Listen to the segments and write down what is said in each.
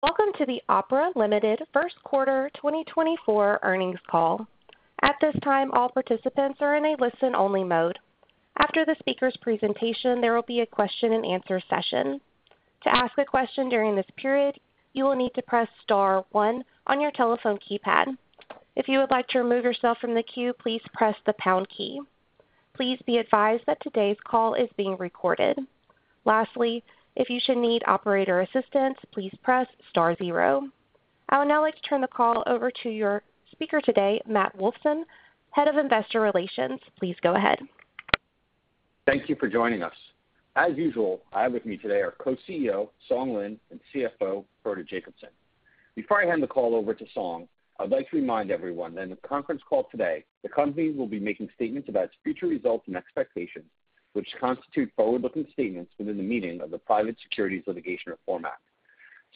Welcome to the Opera Limited first quarter 2024 earnings call. At this time, all participants are in a listen-only mode. After the speaker's presentation, there will be a question-and-answer session. To ask a question during this period, you will need to press star one on your telephone keypad. If you would like to remove yourself from the queue, please press the pound key. Please be advised that today's call is being recorded. Lastly, if you should need operator assistance, please press star zero. I will now like to turn the call over to your speaker today, Matt Wolfson, Head of Investor Relations. Please go ahead. Thank you for joining us. As usual, I have with me today our Co-CEO, Song Lin, and CFO, Frode Jacobsen. Before I hand the call over to Song, I'd like to remind everyone that in the conference call today, the company will be making statements about its future results and expectations, which constitute forward-looking statements within the meaning of the Private Securities Litigation Reform Act.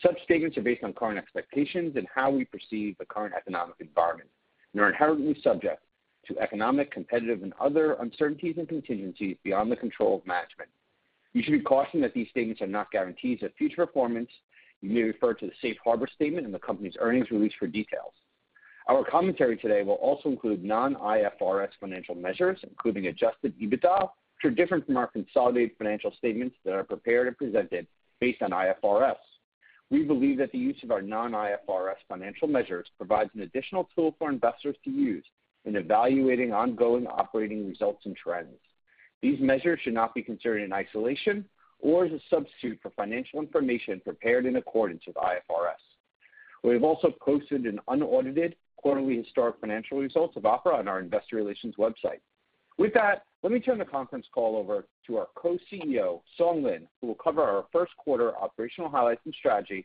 Such statements are based on current expectations and how we perceive the current economic environment and are inherently subject to economic, competitive, and other uncertainties and contingencies beyond the control of management. You should be cautioned that these statements are not guarantees of future performance. You may refer to the Safe Harbor Statement in the company's earnings release for details. Our commentary today will also include non-IFRS financial measures, including Adjusted EBITDA, which are different from our consolidated financial statements that are prepared and presented based on IFRS. We believe that the use of our non-IFRS financial measures provides an additional tool for investors to use in evaluating ongoing operating results and trends. These measures should not be considered in isolation or as a substitute for financial information prepared in accordance with IFRS. We have also posted an unaudited quarterly historic financial results of Opera on our investor relations website. With that, let me turn the conference call over to our Co-CEO, Lin Song, who will cover our first quarter operational highlights and strategy,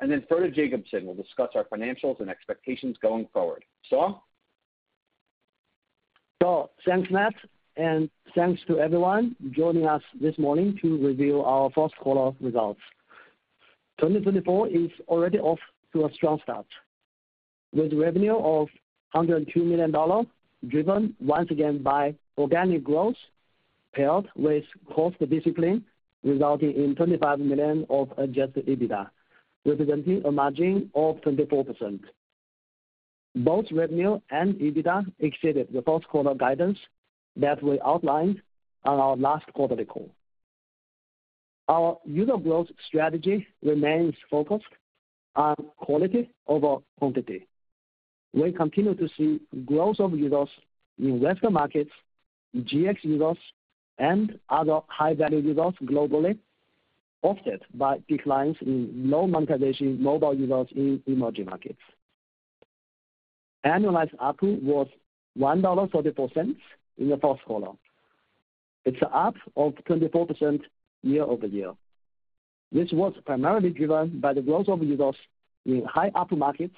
and then Frode Jacobsen will discuss our financials and expectations going forward. Song? So thanks, Matt, and thanks to everyone joining us this morning to review our first quarter results. 2024 is already off to a strong start with revenue of $102 million, driven once again by organic growth paired with cost discipline, resulting in $25 million of adjusted EBITDA, representing a margin of 24%. Both revenue and EBITDA exceeded the first quarter guidance that we outlined on our last quarterly call. Our user growth strategy remains focused on quality over quantity. We continue to see growth of users in Western markets, GX users, and other high-value users globally offset by declines in low-monetization mobile users in emerging markets. Annualized ARPU was $1.34 in the first quarter. It's up 24% year-over-year. This was primarily driven by the growth of users in high ARPU markets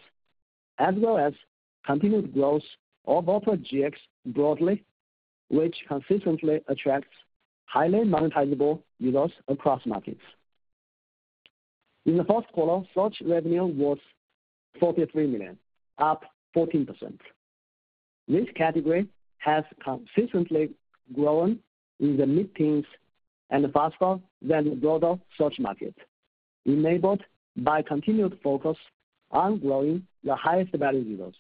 as well as continued growth of Opera GX broadly, which consistently attracts highly monetizable users across markets. In the first quarter, search revenue was $43 million, up 14%. This category has consistently grown in the mid-teens and faster than the broader search market, enabled by continued focus on growing the highest-value users.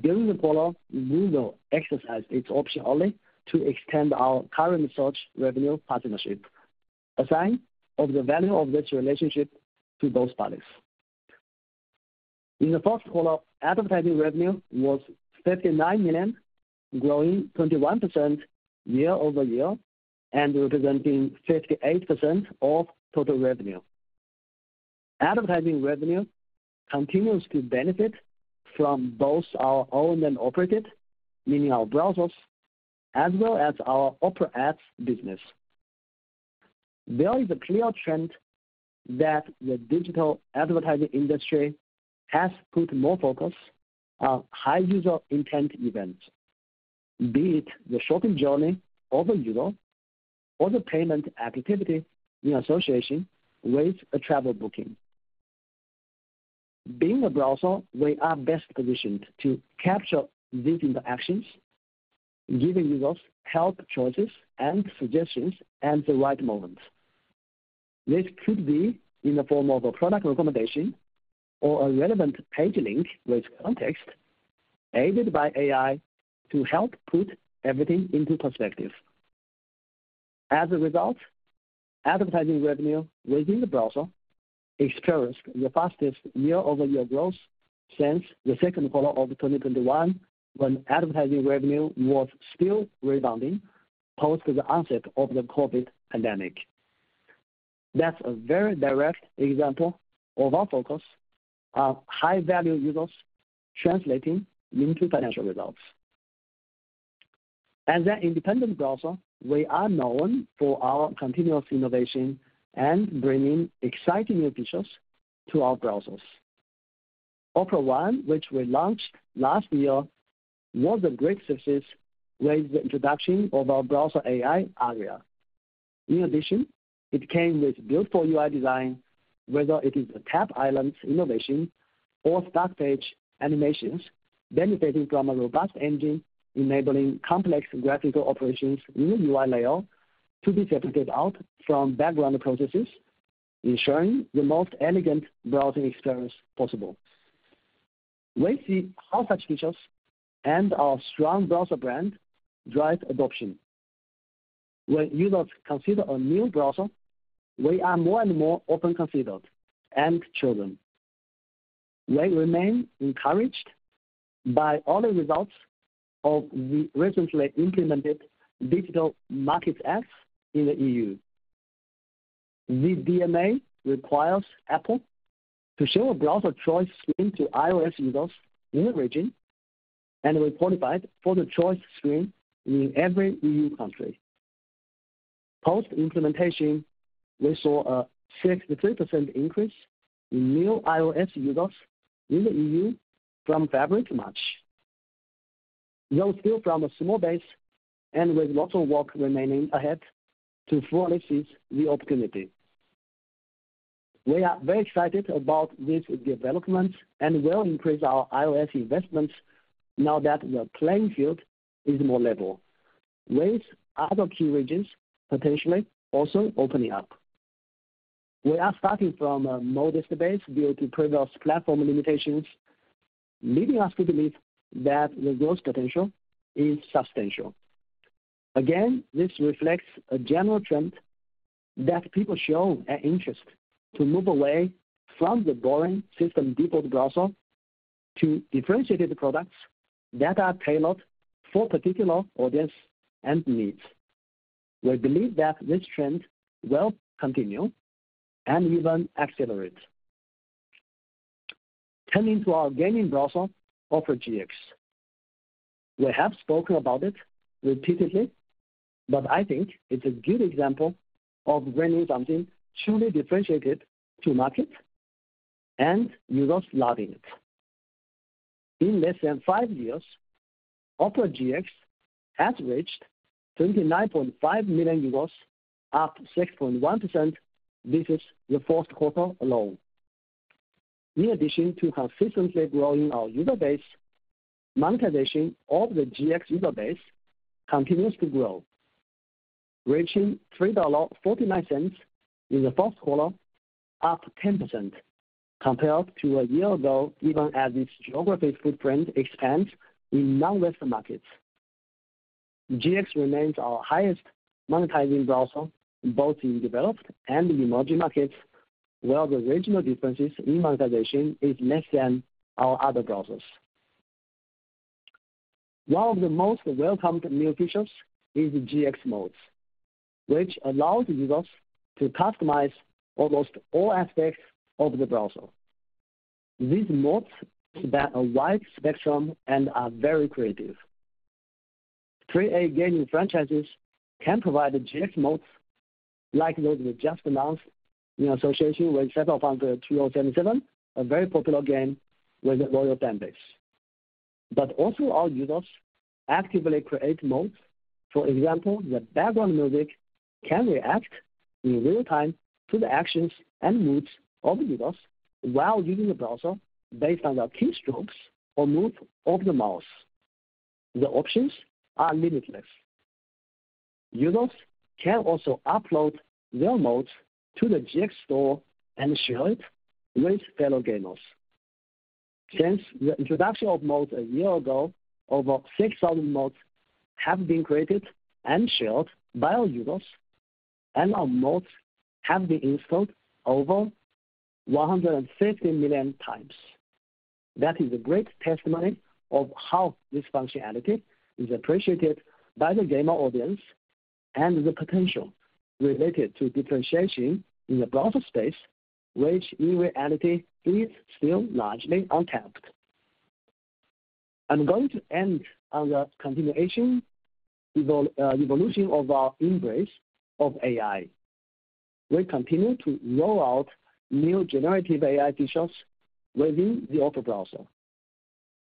During the quarter, Google exercised its option only to extend our current search revenue partnership, assigning the value of this relationship to both parties. In the first quarter, advertising revenue was $59 million, growing 21% year-over-year and representing 58% of total revenue. Advertising revenue continues to benefit from both our owned and operated, meaning our browsers, as well as our Opera Ads business. There is a clear trend that the digital advertising industry has put more focus on high-user intent events, be it the shopping journey of a user or the payment activity in association with a travel booking. Being a browser, we are best positioned to capture these interactions, giving users help choices and suggestions at the right moment. This could be in the form of a product recommendation or a relevant page link with context, aided by AI to help put everything into perspective. As a result, advertising revenue within the browser experienced the fastest year-over-year growth since the second quarter of 2021, when advertising revenue was still rebounding post the onset of the COVID pandemic. That's a very direct example of our focus on high-value users translating into financial results. As an independent browser, we are known for our continuous innovation and bringing exciting new features to our browsers. Opera One, which we launched last year, was a great success with the introduction of our browser Aria. In addition, it came with built-for you design, whether it is a Tab Islands innovation or start page animations benefiting from a robust engine enabling complex graphical operations in the UI layer to be separated out from background processes, ensuring the most elegant browsing experience possible. We see how such features and our strong browser brand drive adoption. When users consider a new browser, we are more and more often considered and chosen. We remain encouraged by all the results of the recently implemented Digital Markets Act in the EU. The DMA requires Apple to show a browser choice screen to iOS users in the region and opted for the choice screen in every EU country. Post-implementation, we saw a 63% increase in new iOS users in the EU from February. Too much, though still from a small base and with lots of work remaining ahead to fully seize the opportunity. We are very excited about this development and will increase our iOS investments now that the playing field is more level, with other key regions potentially also opening up. We are starting from a more distant base due to previous platform limitations, leading us to believe that the growth potential is substantial. Again, this reflects a general trend that people show an interest to move away from the boring system-default browser to differentiated products that are tailored for particular audiences and needs. We believe that this trend will continue and even accelerate. Turning to our gaming browser, Opera GX. We have spoken about it repeatedly, but I think it's a good example of branding something truly differentiated to market and users loving it. In less than five years, Opera GX has reached 29.5 million MAUs, up 6.1% this is the fourth quarter alone. In addition to consistently growing our user base, monetization of the GX user base continues to grow, reaching $3.49 in the first quarter, up 10% compared to a year ago, even as its geographic footprint expands in non-Western markets. GX remains our highest monetizing browser both in developed and emerging markets, while the regional differences in monetization are less than our other browsers. One of the most welcomed new features is GX Mods, which allows users to customize almost all aspects of the browser. These mods span a wide spectrum and are very creative. AAA gaming franchises can provide GX Mods like those we just announced in association with Cyberpunk 2077, a very popular game with a loyal fanbase. But also, our users actively create mods. For example, the background music can react in real time to the actions and moods of users while using the browser based on their keystrokes or moves of the mouse. The options are limitless. Users can also upload their mods to the GX Store and share it with fellow gamers. Since the introduction of mods a year ago, over 6,000 mods have been created and shared by our users, and our mods have been installed over 150 million times. That is a great testimony of how this functionality is appreciated by the gamer audience and the potential related to differentiation in the browser space, which in reality is still largely untapped. I'm going to end on the continuation evolution of our embrace of AI. We continue to roll out new generative AI features within the Opera browser.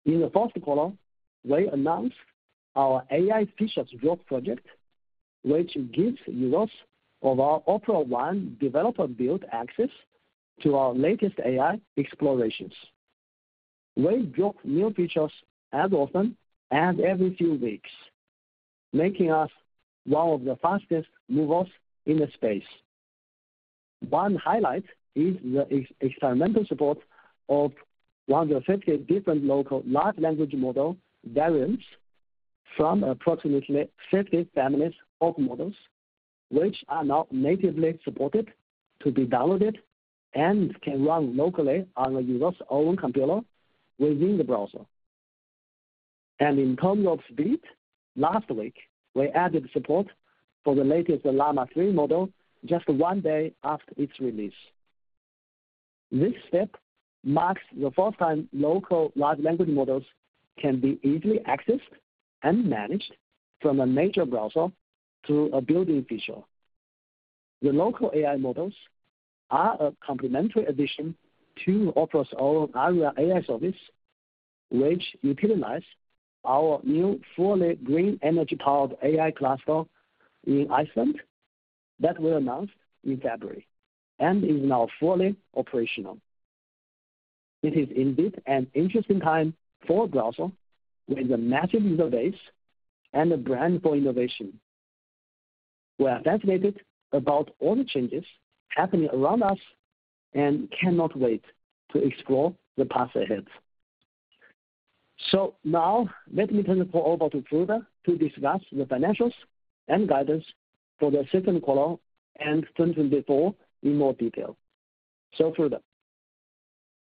In the fourth quarter, we announced our AI Features Drop project, which gives users of our Opera One Developer build access to our latest AI explorations. We drop new features as often as every few weeks, making us one of the fastest movers in the space. One highlight is the experimental support of 150 different local large language model variants from approximately 50 families of models, which are now natively supported to be downloaded and can run locally on a user's own computer within the browser. And in terms of speed, last week, we added support for the latest Llama 3 model just one day after its release. This step marks the first time local large language models can be easily accessed and managed from a major browser through a built-in feature. The local AI models are a complementary addition to Opera's own Aria AI service, which utilizes our new fully green energy-powered AI cluster in Iceland that we announced in February and is now fully operational. It is indeed an interesting time for a browser with a massive user base and a brand for innovation. We are fascinated about all the changes happening around us and cannot wait to explore the path ahead. Now, let me turn the call over to Frode to discuss the financials and guidance for the second quarter and 2024 in more detail. So, Frode.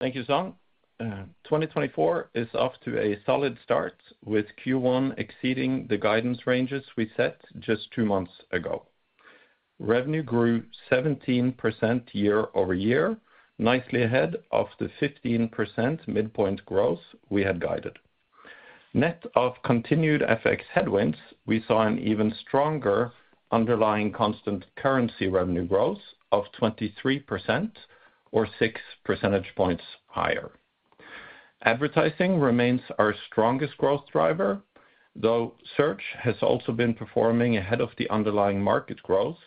Thank you, Song. 2024 is off to a solid start with Q1 exceeding the guidance ranges we set just two months ago. Revenue grew 17% year-over-year, nicely ahead of the 15% midpoint growth we had guided. Net of continued FX headwinds, we saw an even stronger underlying constant currency revenue growth of 23% or six percentage points higher. Advertising remains our strongest growth driver, though search has also been performing ahead of the underlying market growth,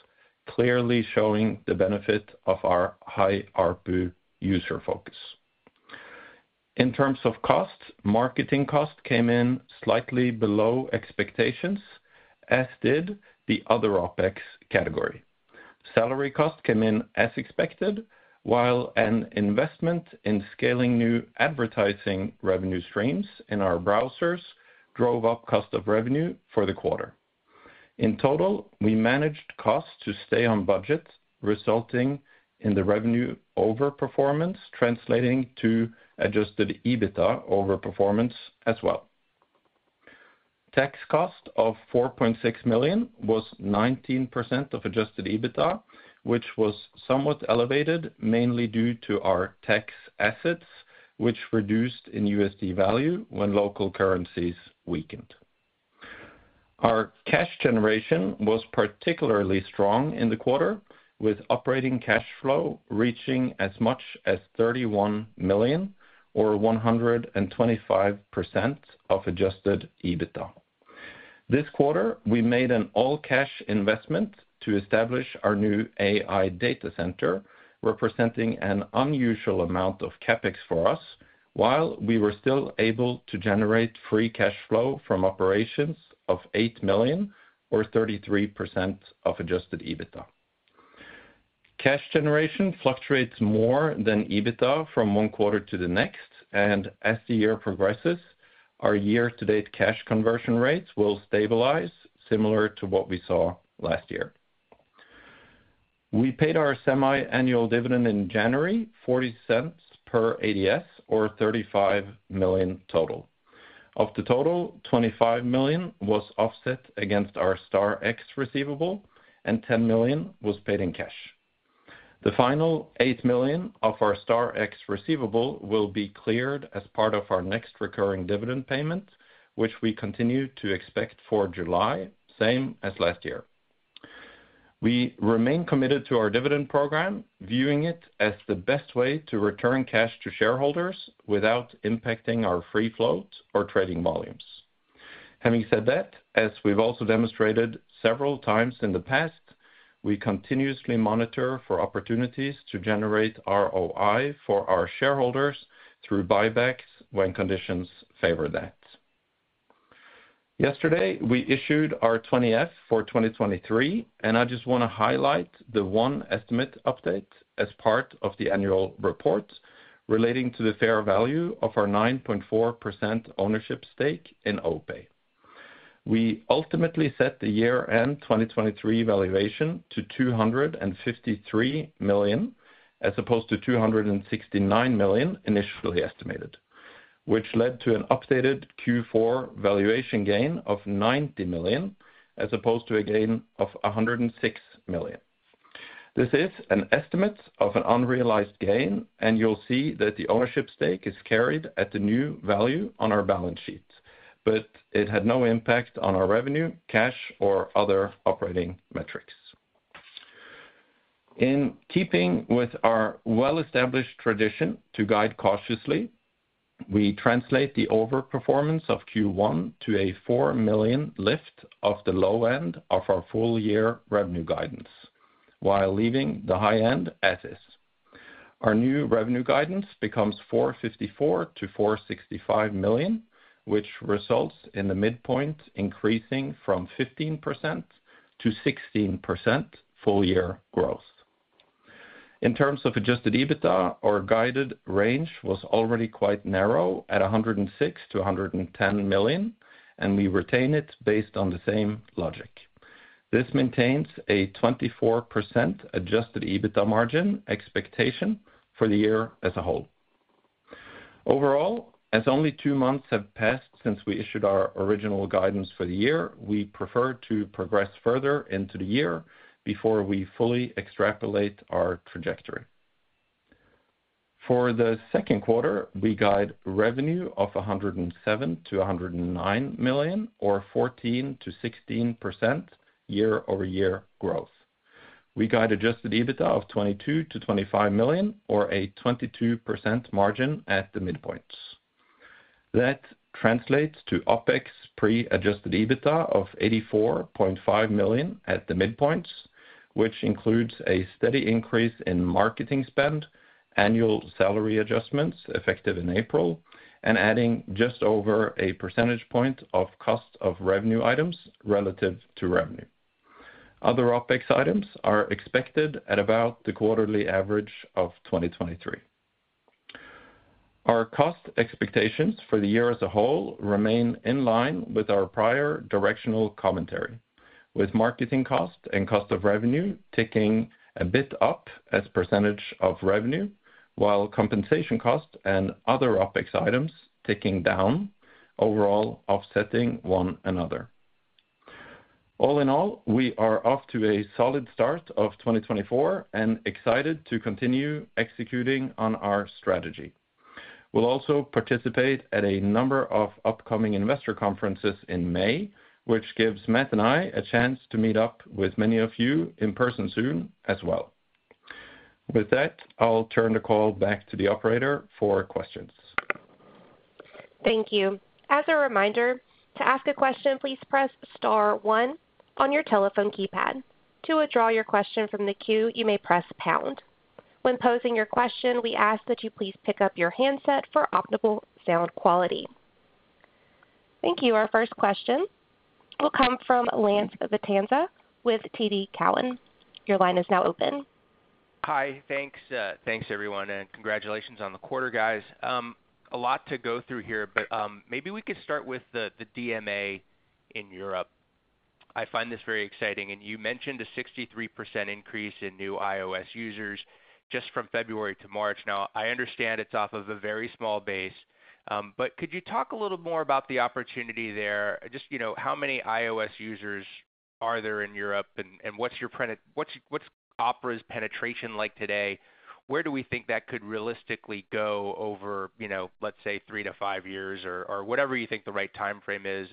clearly showing the benefit of our high ARPU user focus. In terms of costs, marketing costs came in slightly below expectations, as did the other OpEx category. Salary costs came in as expected, while an investment in scaling new advertising revenue streams in our browsers drove up cost of revenue for the quarter. In total, we managed costs to stay on budget, resulting in the revenue overperformance translating to adjusted EBITDA overperformance as well. Tax cost of $4.6 million was 19% of adjusted EBITDA, which was somewhat elevated mainly due to our tax assets, which reduced in USD value when local currencies weakened. Our cash generation was particularly strong in the quarter, with operating cash flow reaching as much as $31 million or 125% of adjusted EBITDA. This quarter, we made an all-cash investment to establish our new AI data center, representing an unusual amount of CapEx for us, while we were still able to generate free cash flow from operations of $8 million or 33% of adjusted EBITDA. Cash generation fluctuates more than EBITDA from one quarter to the next, and as the year progresses, our year-to-date cash conversion rates will stabilize similar to what we saw last year. We paid our semi-annual dividend in January, $0.40 per ADS or $35 million total. Of the total, $25 million was offset against our Star X receivable, and $10 million was paid in cash. The final $8 million of our Star X receivable will be cleared as part of our next recurring dividend payment, which we continue to expect for July, same as last year. We remain committed to our dividend program, viewing it as the best way to return cash to shareholders without impacting our free float or trading volumes. Having said that, as we've also demonstrated several times in the past, we continuously monitor for opportunities to generate ROI for our shareholders through buybacks when conditions favor that. Yesterday, we issued our 20-F for 2023, and I just want to highlight the one estimate update as part of the annual report relating to the fair value of our 9.4% ownership stake in OPay. We ultimately set the year-end 2023 valuation to $253 million as opposed to $269 million initially estimated, which led to an updated Q4 valuation gain of $90 million as opposed to a gain of $106 million. This is an estimate of an unrealized gain, and you'll see that the ownership stake is carried at the new value on our balance sheet, but it had no impact on our revenue, cash, or other operating metrics. In keeping with our well-established tradition to guide cautiously, we translate the overperformance of Q1 to a $4 million lift of the low end of our full-year revenue guidance while leaving the high end as is. Our new revenue guidance becomes $454 million-$465 million, which results in the midpoint increasing from 15%-16% full-year growth. In terms of adjusted EBITDA, our guided range was already quite narrow at $106 million-$110 million, and we retain it based on the same logic. This maintains a 24% adjusted EBITDA margin expectation for the year as a whole. Overall, as only two months have passed since we issued our original guidance for the year, we prefer to progress further into the year before we fully extrapolate our trajectory. For the second quarter, we guide revenue of $107 million-$109 million or 14%-16% year-over-year growth. We guide adjusted EBITDA of $22 million-$25 million or a 22% margin at the midpoints. That translates to OpEx pre-adjusted EBITDA of $84.5 million at the midpoints, which includes a steady increase in marketing spend, annual salary adjustments effective in April, and adding just over a percentage point of cost of revenue items relative to revenue. Other OpEx items are expected at about the quarterly average of 2023. Our cost expectations for the year as a whole remain in line with our prior directional commentary, with marketing cost and cost of revenue ticking a bit up as percentage of revenue, while compensation cost and other OpEx items ticking down, overall offsetting one another. All in all, we are off to a solid start of 2024 and excited to continue executing on our strategy. We'll also participate at a number of upcoming investor conferences in May, which gives Matt and I a chance to meet up with many of you in person soon as well. With that, I'll turn the call back to the operator for questions. Thank you. As a reminder, to ask a question, please press star one on your telephone keypad. To withdraw your question from the queue, you may press pound. When posing your question, we ask that you please pick up your handset for optimal sound quality. Thank you. Our first question will come from Lance Vitanza with TD Cowen. Your line is now open. Hi. Thanks, everyone, and congratulations on the quarter, guys. A lot to go through here, but maybe we could start with the DMA in Europe. I find this very exciting, and you mentioned a 63% increase in new iOS users just from February to March. Now, I understand it's off of a very small base, but could you talk a little more about the opportunity there? Just how many iOS users are there in Europe, and what's Opera's penetration like today? Where do we think that could realistically go over, let's say, three to five years or whatever you think the right time frame is?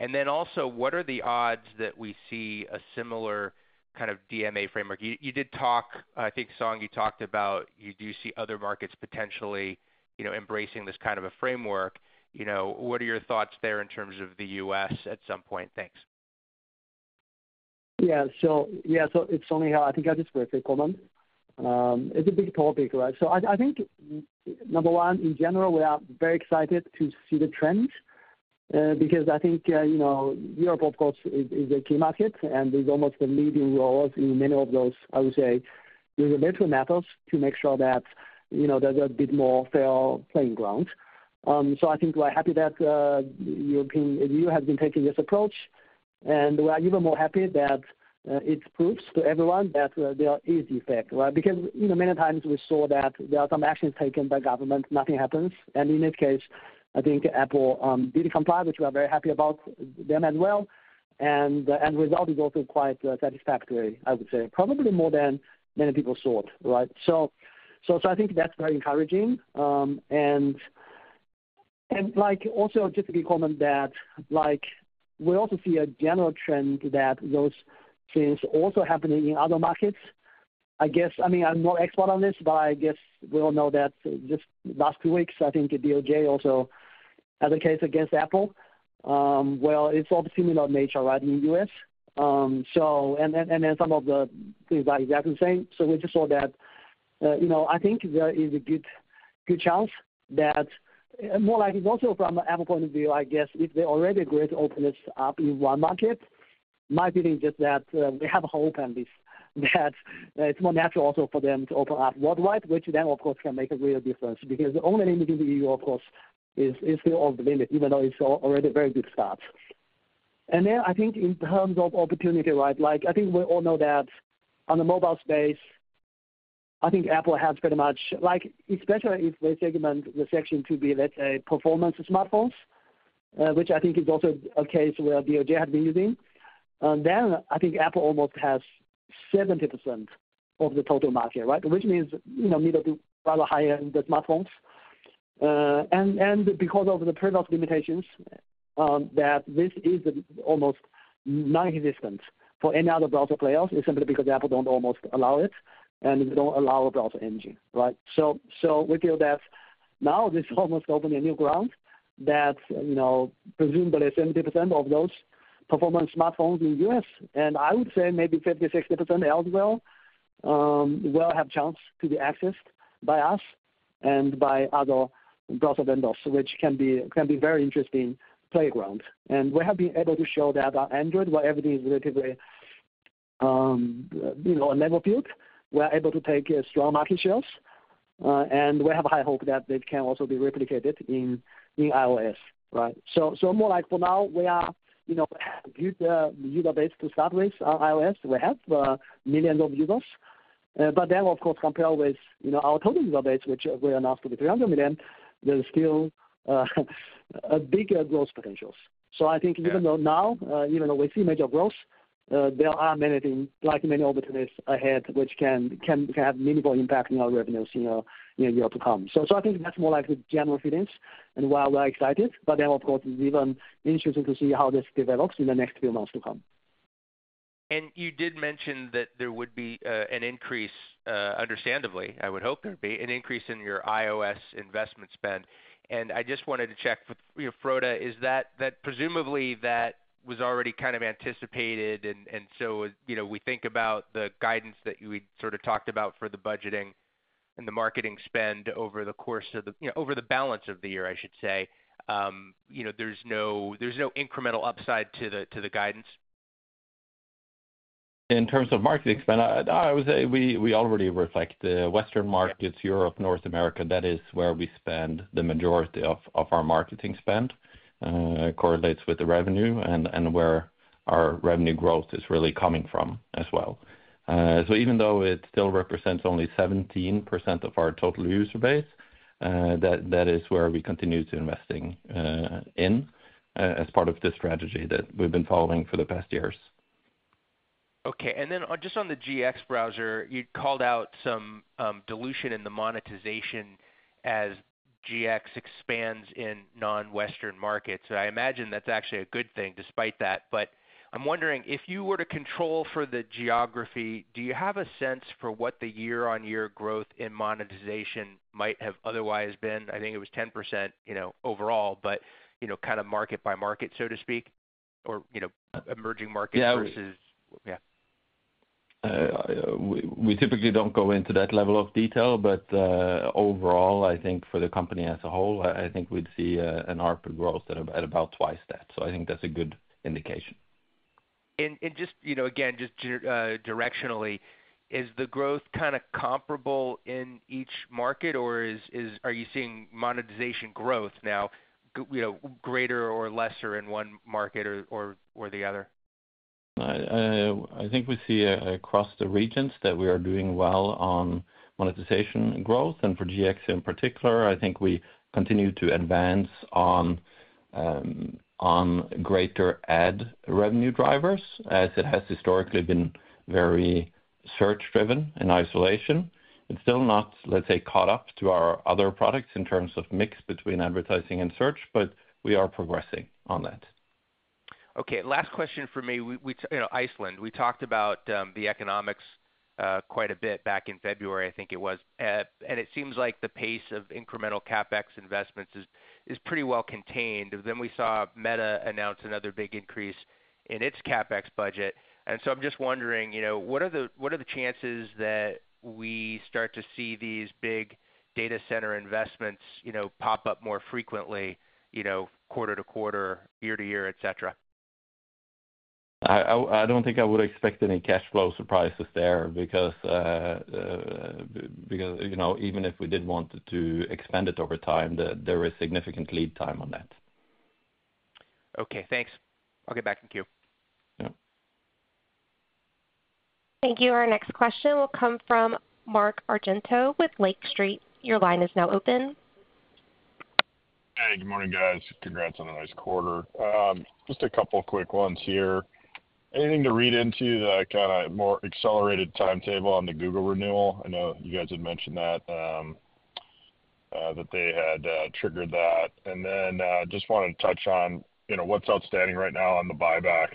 And then also, what are the odds that we see a similar kind of DMA framework? You did talk, I think, Song, you talked about you do see other markets potentially embracing this kind of a framework. What are your thoughts there in terms of the U.S. at some point? Thanks. Yeah. So yeah, so it's only how I think I'll just briefly comment. It's a big topic, right? So I think, number one, in general, we are very excited to see the trends because I think Europe, of course, is a key market, and it's almost the leading role in many of those, I would say, regulatory matters to make sure that there's a bit more fair playing ground. So I think we're happy that the European EU has been taking this approach, and we are even more happy that it proves to everyone that there is effect, right? Because many times we saw that there are some actions taken by government, nothing happens. And in this case, I think Apple did comply, which we are very happy about them as well. And the end result is also quite satisfactory, I would say, probably more than many people thought, right? So I think that's very encouraging. And also, just to comment that we also see a general trend that those things also happening in other markets. I mean, I'm not an expert on this, but I guess we all know that just last two weeks, I think the DOJ also advocated against Apple. Well, it's of similar nature, right, in the U.S. And then some of the things are exactly the same. So we just saw that I think there is a good chance that more likely also from Apple's point of view, I guess, if they already agree to open this up in one market, my feeling is just that we have a hope at least that it's more natural also for them to open up worldwide, which then, of course, can make a real difference because the only limit in the EU, of course, is still over the limit, even though it's already a very good start. Then I think in terms of opportunity, right, I think we all know that on the mobile space, I think Apple has pretty much, especially if they segment the section to be, let's say, performance smartphones, which I think is also a case where DOJ has been using. Then I think Apple almost has 70% of the total market, right, which means middle to rather high-end smartphones. And because of the prevailing limitations, this is almost nonexistent for any other browser players, simply because Apple don't almost allow it and don't allow a browser engine, right? So we feel that now this almost opened a new ground that presumably 70% of those performance smartphones in the U.S., and I would say maybe 50%-60% elsewhere, will have chance to be accessed by us and by other browser vendors, which can be very interesting playground. And we have been able to show that on Android, where everything is relatively a level field, we are able to take strong market shares, and we have a high hope that they can also be replicated in iOS, right? So, more like, for now, we have a good user base to start with on iOS. We have millions of users. But then, of course, compared with our total user base, which we announced to be 300 million, there's still bigger growth potentials. So I think even though now, even though we see major growth, there are many things, like many opportunities ahead, which can have meaningful impact on our revenues in a year to come. So I think that's more like the general feelings and why we're excited. But then, of course, it's even interesting to see how this develops in the next few months to come. And you did mention that there would be an increase, understandably. I would hope there'd be an increase in your iOS investment spend. And I just wanted to check with Frode, is that presumably that was already kind of anticipated? And so we think about the guidance that we sort of talked about for the budgeting and the marketing spend over the course of the balance of the year, I should say. There's no incremental upside to the guidance? In terms of marketing spend, I would say we already reflect the Western markets, Europe, North America. That is where we spend the majority of our marketing spend. It correlates with the revenue and where our revenue growth is really coming from as well. So even though it still represents only 17% of our total user base, that is where we continue to invest in as part of the strategy that we've been following for the past years. Okay. And then just on the GX browser, you called out some dilution in the monetization as GX expands in non-Western markets. So I imagine that's actually a good thing despite that. But I'm wondering, if you were to control for the geography, do you have a sense for what the year-on-year growth in monetization might have otherwise been? I think it was 10% overall, but kind of market by market, so to speak, or emerging markets versus yeah. We typically don't go into that level of detail, but overall, I think for the company as a whole, I think we'd see an ARPU growth at about twice that. So I think that's a good indication. Again, just directionally, is the growth kind of comparable in each market, or are you seeing monetization growth now greater or lesser in one market or the other? I think we see across the regions that we are doing well on monetization growth. And for GX in particular, I think we continue to advance on greater ad revenue drivers as it has historically been very search-driven in isolation. It's still not, let's say, caught up to our other products in terms of mix between advertising and search, but we are progressing on that. Okay. Last question for me. Iceland, we talked about the economics quite a bit back in February, I think it was. And it seems like the pace of incremental CapEx investments is pretty well contained. Then we saw Meta announce another big increase in its CapEx budget. And so I'm just wondering, what are the chances that we start to see these big data center investments pop up more frequently, quarter-to-quarter, year-to-year, etc.? I don't think I would expect any cash flow surprises there because even if we did want to expand it over time, there is significant lead time on that. Okay. Thanks. I'll get back in queue. Yeah. Thank you. Our next question will come from Mark Argento with Lake Street. Your line is now open. Hey. Good morning, guys. Congrats on a nice quarter. Just a couple of quick ones here. Anything to read into the kind of more accelerated timetable on the Google renewal? I know you guys had mentioned that, that they had triggered that. And then just wanted to touch on what's outstanding right now on the buyback.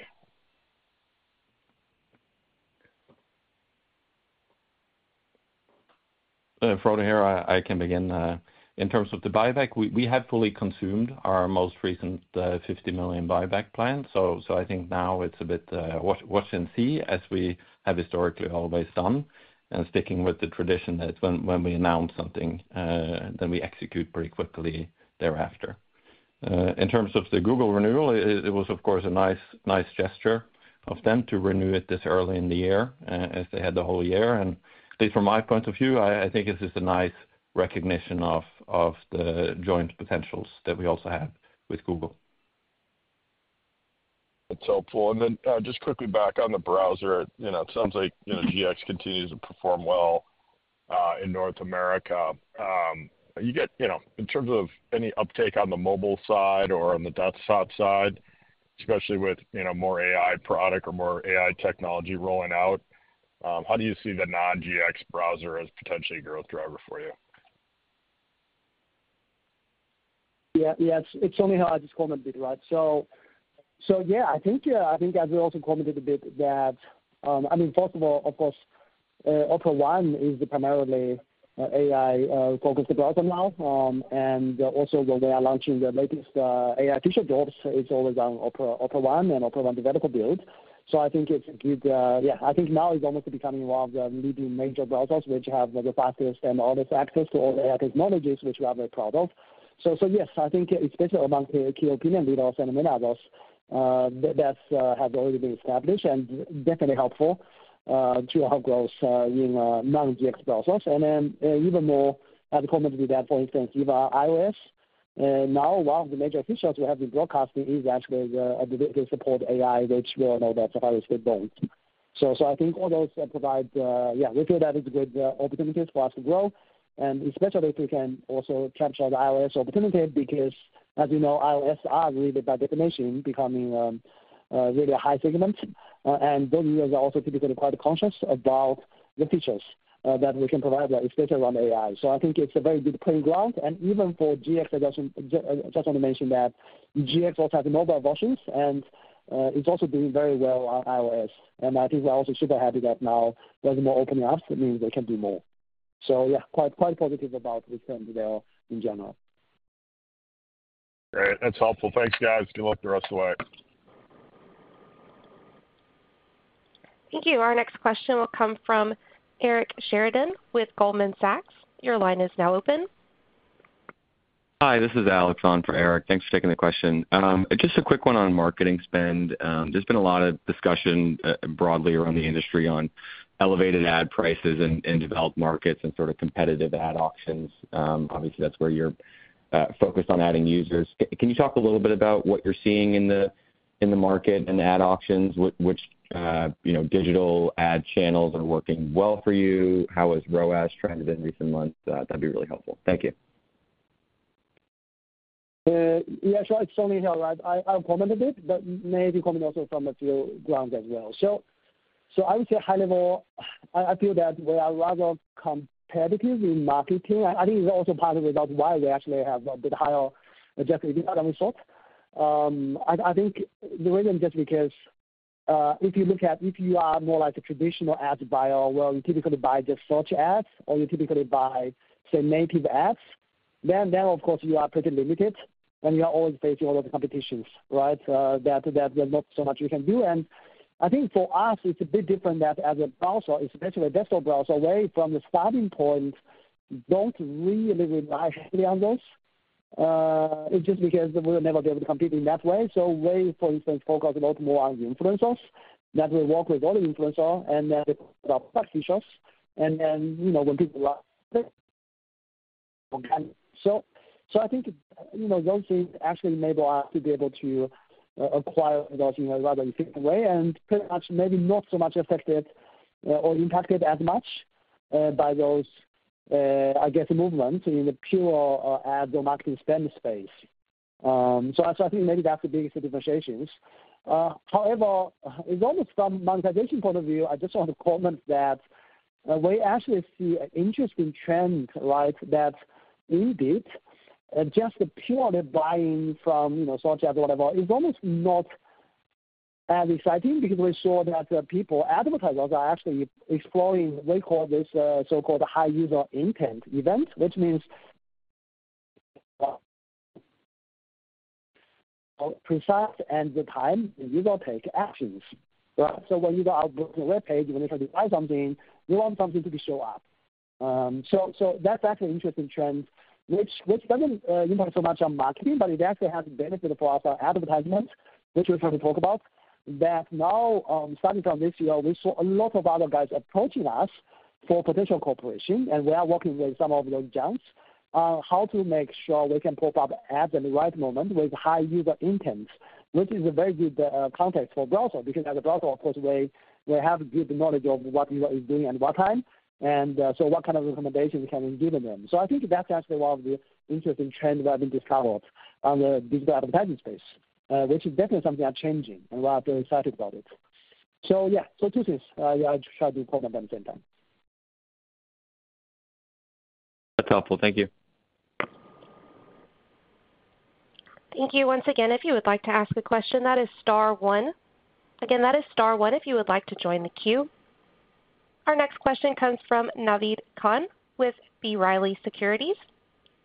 Frode here. I can begin. In terms of the buyback, we have fully consumed our most recent $50 million buyback plan. So I think now it's a bit watch and see as we have historically always done and sticking with the tradition that when we announce something, then we execute pretty quickly thereafter. In terms of the Google renewal, it was, of course, a nice gesture of them to renew it this early in the year as they had the whole year. And at least from my point of view, I think this is a nice recognition of the joint potentials that we also have with Google. It's helpful. And then just quickly back on the browser, it sounds like GX continues to perform well in North America. In terms of any uptake on the mobile side or on the desktop side, especially with more AI product or more AI technology rolling out, how do you see the non-GX browser as potentially a growth driver for you? Yeah. It's only as I just commented, right? So yeah, I think as we also commented a bit that I mean, first of all, of course, Opera One is primarily an AI-focused browser now. And also when we are launching the latest AI feature drops, it's always on Opera One and Opera One Developer build. So I think it's a good yeah, I think now it's almost becoming one of the leading major browsers, which have the fastest and all this access to all the AI technologies, which we are very proud of. So yes, I think especially among key opinion leaders and many others that has already been established and definitely helpful to our growth in non-GX browsers. And then even more, as I commented that, for instance, even iOS, now one of the major features we have in browsers is actually the support for AI, which we all know that Safari stayed behind. So I think all those provide. Yeah, we feel that it's a good opportunity for us to grow, and especially if we can also capture the iOS opportunity because, as you know, iOS are really, by definition, becoming really a high segment. And those users are also typically quite conscious about the features that we can provide, especially around AI. So I think it's a very good playing ground. And even for GX, I just want to mention that GX also has mobile versions, and it's also doing very well on iOS. And I think we're also super happy that now there's more opening up, meaning they can do more. So yeah, quite positive about the trend there in general. Great. That's helpful. Thanks, guys. Good luck the rest of the way. Thank you. Our next question will come from Eric Sheridan with Goldman Sachs. Your line is now open. Hi. This is Alex on for Eric. Thanks for taking the question. Just a quick one on marketing spend. There's been a lot of discussion broadly around the industry on elevated ad prices in developed markets and sort of competitive ad auctions. Obviously, that's where you're focused on adding users. Can you talk a little bit about what you're seeing in the market and ad auctions? Which digital ad channels are working well for you? How has ROAS trended in recent months? That'd be really helpful. Thank you. Yeah. So, like, Song Lin here, right? I commented it, but maybe comment also from a few grounds as well. So, I would say high level, I feel that we are rather competitive in marketing. I think it's also part of the result why we actually have a bit higher adjustment incoming sort. I think the reason just because if you look at if you are more like a traditional ad buyer, where you typically buy just search ads or you typically buy, say, native ads, then of course, you are pretty limited and you are always facing all those competitions, right, that there's not so much you can do. And I think for us, it's a bit different that as a browser, especially a desktop browser, we from the starting point don't really rely heavily on those. It's just because we will never be able to compete in that way. So we, for instance, focus a lot more on the influencers that we work with, all the influencers, and then the product features. And then when people like it. So I think those things actually enable us to be able to acquire those in a rather efficient way and pretty much maybe not so much affected or impacted as much by those, I guess, movements in the pure ad or marketing spend space. So I think maybe that's the biggest differentiations. However, it's almost from monetization point of view, I just want to comment that we actually see an interesting trend, right, that indeed, just the pure buying from search ads or whatever, is almost not as exciting because we saw that people, advertisers, are actually exploring what we call this so-called high user intent event, which means precise and the time user take actions, right? So when you go out on a web page, whenever you buy something, you want something to show up. So that's actually an interesting trend, which doesn't impact so much on marketing, but it actually has a benefit for us on advertisements, which we're going to talk about. That now, starting from this year, we saw a lot of other guys approaching us for potential cooperation, and we are working with some of those gents on how to make sure we can pop up ads at the right moment with high user intents, which is a very good context for a browser because as a browser, of course, we have good knowledge of what user is doing at what time and so what kind of recommendations can we give them. So I think that's actually one of the interesting trends that I've been discovering on the digital advertising space, which is definitely something that's changing, and we are very excited about it. So yeah, so two things. I try to comment at the same time. That's helpful. Thank you. Thank you once again. If you would like to ask a question, that is star one. Again, that is star one if you would like to join the queue. Our next question comes from Naved Khan with B. Riley Securities.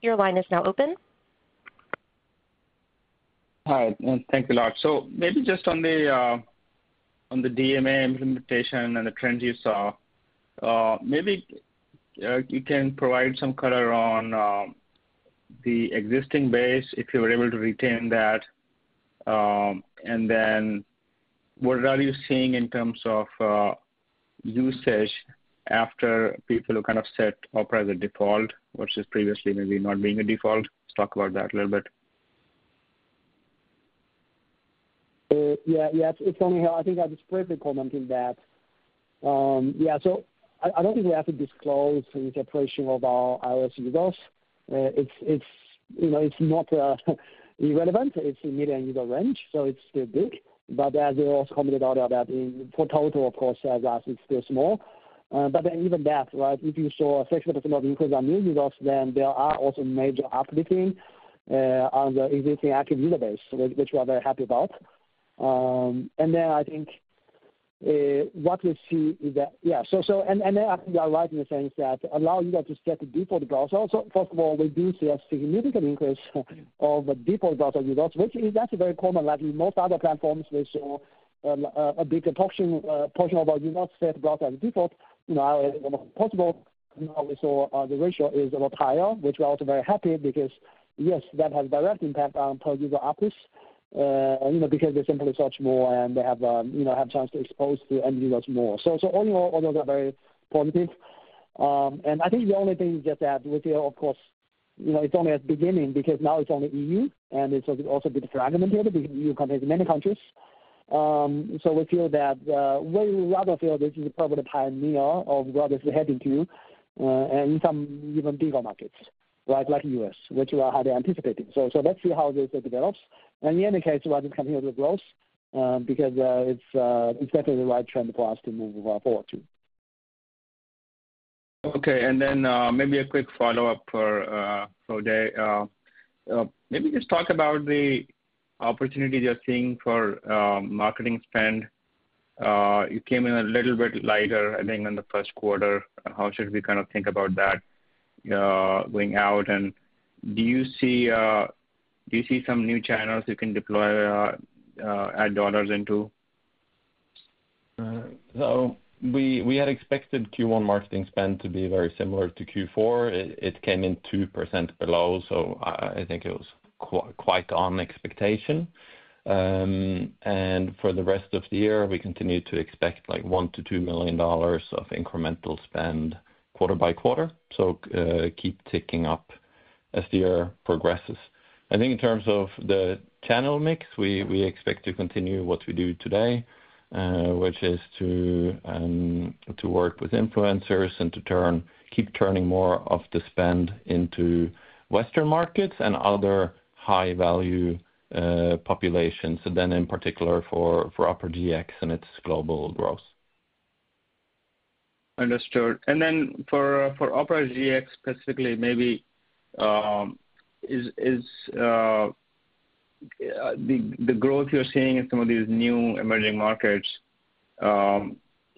Your line is now open. Hi. Thank you a lot. So maybe just on the DMA implementation and the trends you saw, maybe you can provide some color on the existing base if you were able to retain that. And then what are you seeing in terms of usage after people who kind of set Opera as a default versus previously maybe not being a default? Let's talk about that a little bit. Yeah. Yeah. It's only how I think I just briefly commented that. Yeah. So I don't think we have to disclose in separation of our iOS users. It's not irrelevant. It's a MAU user range, so it's still big. But as we also commented earlier that for total, of course, as is, it's still small. But then even that, right, if you saw 60% of the inputs are new users, then there are also major uplifting on the existing active user base, which we are very happy about. And then I think what we see is that yeah. And then I think you are right in the sense that allow users to set the default browser. So first of all, we do see a significant increase of default browser users, which that's very common. Like in most other platforms, we saw a big portion of our users set browser as default. iOS is one of the possible. Now we saw the ratio is a lot higher, which we are also very happy because yes, that has direct impact on per-user uplift because they simply search more and they have a chance to expose to end users more. So all in all, all those are very positive. And I think the only thing is just that we feel, of course, it's only at the beginning because now it's only EU, and it's also a bit fragmented because EU contains many countries. So we feel that we would rather feel this is probably the pioneer of where this is heading to and in some even bigger markets, right, like the U.S., which we are highly anticipating. So let's see how this develops. In any case, we're just continuing to growth because it's definitely the right trend for us to move forward to. Okay. And then maybe a quick follow-up for Frode. Maybe just talk about the opportunity you're seeing for marketing spend. You came in a little bit lighter, I think, in the first quarter. How should we kind of think about that going out? And do you see some new channels you can deploy ad dollars into? So we had expected Q1 marketing spend to be very similar to Q4. It came in 2% below, so I think it was quite on expectation. And for the rest of the year, we continue to expect like $1 million-$2 million of incremental spend quarter by quarter. So keep ticking up as the year progresses. I think in terms of the channel mix, we expect to continue what we do today, which is to work with influencers and to keep turning more of the spend into Western markets and other high-value populations. So then in particular for Opera GX and its global growth. Understood. And then for Opera GX specifically, maybe the growth you're seeing in some of these new emerging markets,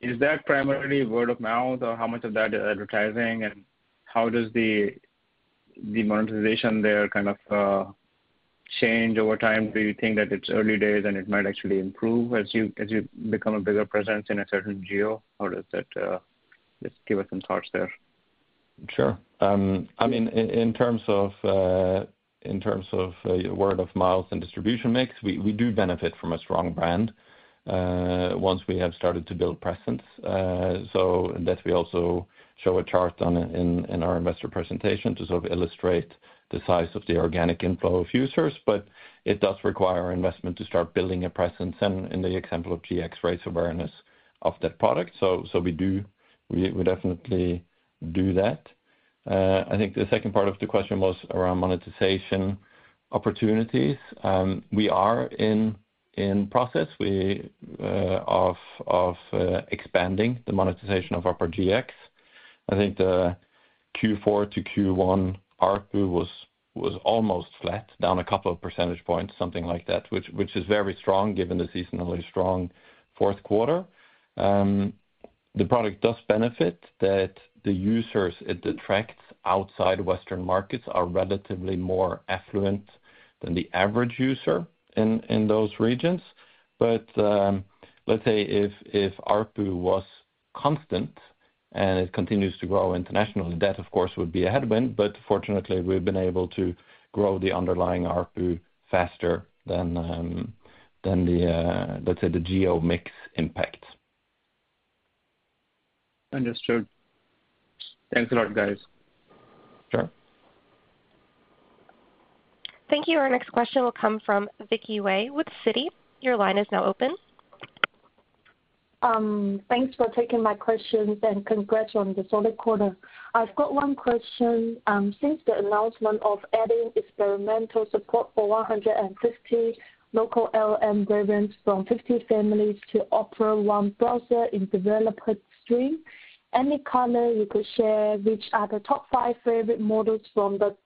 is that primarily word of mouth or how much of that is advertising? And how does the monetization there kind of change over time? Do you think that it's early days and it might actually improve as you become a bigger presence in a certain geo? How does that? Just give us some thoughts there. Sure. I mean, in terms of word of mouth and distribution mix, we do benefit from a strong brand once we have started to build presence. So that's we also show a chart in our investor presentation to sort of illustrate the size of the organic inflow of users. But it does require investment to start building a presence and in the example of GX, right, so awareness of that product. So we definitely do that. I think the second part of the question was around monetization opportunities. We are in process of expanding the monetization of Opera GX. I think the Q4 to Q1 ARPU was almost flat, down a couple of percentage points, something like that, which is very strong given the seasonally strong fourth quarter. The product does benefit that the users it attracts outside Western markets are relatively more affluent than the average user in those regions. But let's say if ARPU was constant and it continues to grow internationally, that, of course, would be a headwind. But fortunately, we've been able to grow the underlying ARPU faster than the, let's say, the geo mix impact. Understood. Thanks a lot, guys. Sure. Thank you. Our next question will come from Vicky Wei with Citi. Your line is now open. Thanks for taking my questions and congrats on the solid quarter. I've got one question. Since the announcement of adding experimental support for 150 local LLM variants from 50 families to Opera One browser in developer stream, any color you could share, which are the top five favorite models from the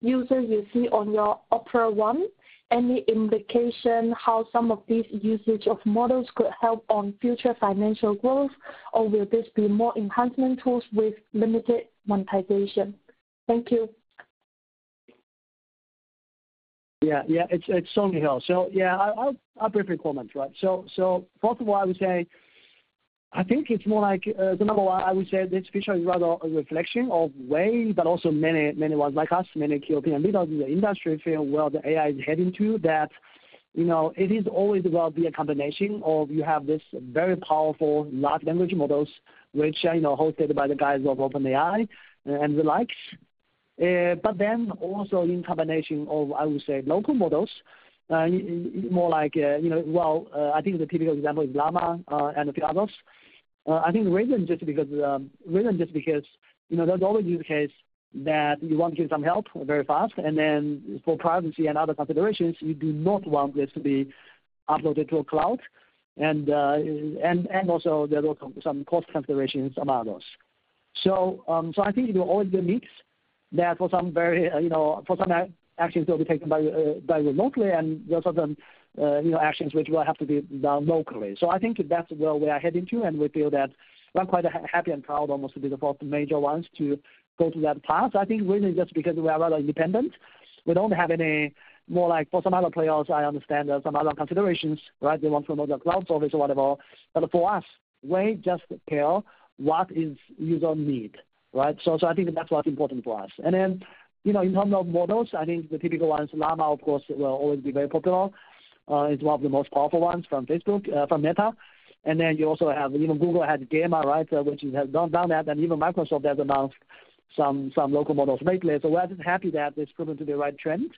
user you see on your Opera One? Any implication how some of these usage of models could help on future financial growth, or will this be more enhancement tools with limited monetization? Thank you. Yeah. Yeah. It's Song Lin here. So yeah, I'll briefly comment, right? So first of all, I would say I think it's more like so number one, I would say this feature is rather a reflection of way, but also many ones like us, many European leaders in the industry feel where the AI is heading to, that it is always about the combination of you have these very powerful large language models, which are hosted by the guys of OpenAI and the likes. But then also in combination of, I would say, local models, more like well, I think the typical example is Llama and a few others. I think the reason just because the reason just because there's always use case that you want to get some help very fast. And then for privacy and other considerations, you do not want this to be uploaded to a cloud. And also there's also some cost considerations among others. So I think it will always be a mix that for some actions will be taken remotely and there are certain actions which will have to be done locally. So I think that's where we are heading to, and we feel that we're quite happy and proud almost to be the fourth major ones to go to that path. I think really just because we are rather independent, we don't have any more like for some other players, I understand some other considerations, right? They want to promote their cloud service or whatever. But for us, we just care what is user need, right? So I think that's what's important for us. And then in terms of models, I think the typical ones, Llama, of course, will always be very popular. It's one of the most powerful ones from Facebook, from Meta. And then you also have even Google had Gemma, right, which has done that. And even Microsoft, they've announced some local models lately. So we're just happy that it's proven to be the right trend.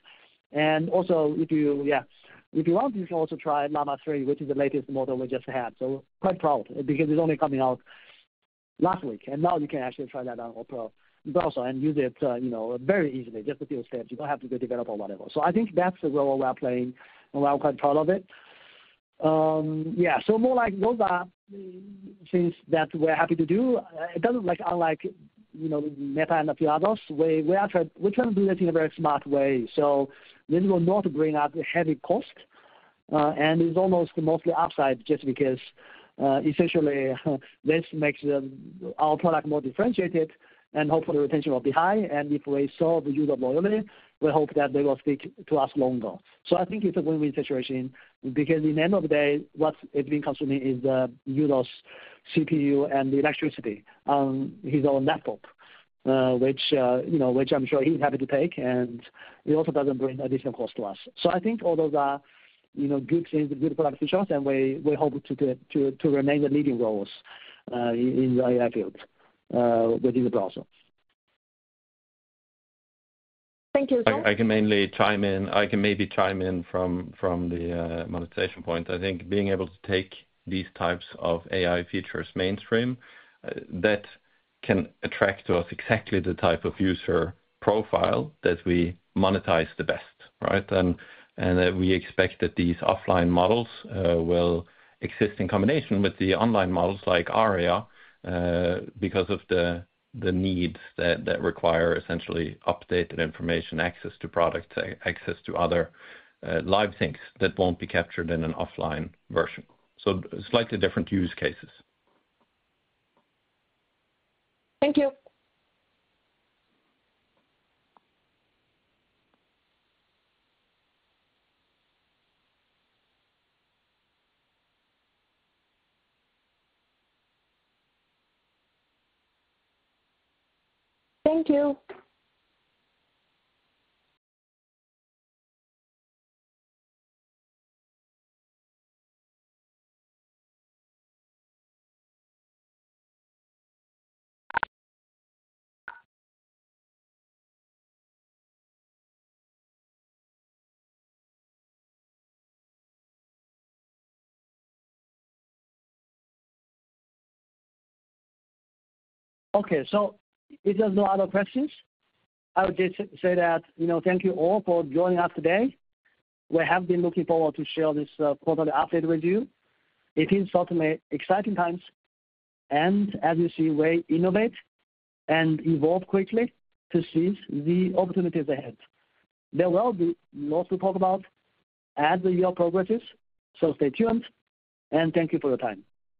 And also if you yeah. If you want, you can also try Llama 3, which is the latest model we just had. So quite proud because it's only coming out last week. And now you can actually try that on Opera browser and use it very easily, just a few steps. You don't have to be a developer or whatever. So I think that's the role we are playing, and we are quite proud of it. Yeah. So more like those are things that we're happy to do. It doesn't unlike Meta and a few others. We're trying to do this in a very smart way. This will not bring us a heavy cost. It's almost mostly upside just because essentially, this makes our product more differentiated and hopefully retention will be high. If we saw the user loyalty, we hope that they will stick to us longer. I think it's a win-win situation because in the end of the day, what it's been consuming is the user's CPU and the electricity on his own laptop, which I'm sure he's happy to take. It also doesn't bring additional cost to us. I think all those are good things, good product features, and we hope to remain the leading roles in the AI field within the browser. Thank you. I can mainly chime in. I can maybe chime in from the monetization point. I think being able to take these types of AI features mainstream, that can attract to us exactly the type of user profile that we monetize the best, right? And we expect that these offline models will exist in combination with the online models like Aria because of the needs that require essentially updated information, access to products, access to other live things that won't be captured in an offline version. So slightly different use cases. Thank you. Thank you. Okay. If there's no other questions, I would just say that thank you all for joining us today. We have been looking forward to share this quarterly update with you. It is certainly exciting times. As you see, we innovate and evolve quickly to seize the opportunities ahead. There will be lots to talk about as the year progresses. Stay tuned. Thank you for your time.